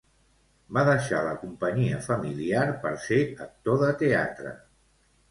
Va deixar la companyia familiar per ser actor de teatre.